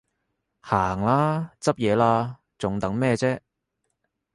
行啦，執嘢喇，仲等咩啫？